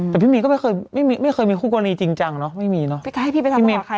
แต่พี่มีก็ไม่เคยไม่เคยมีคู่กรณีจริงจังเนอะไม่มีเนอะ